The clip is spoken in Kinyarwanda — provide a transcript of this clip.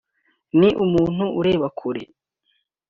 ni umuntu ureba kure